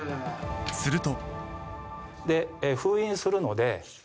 すると。